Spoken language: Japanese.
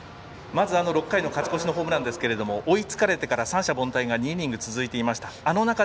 まず、６回の勝ち越しのホームランですが追い込まれてから三者凡退が２イニング続いていました。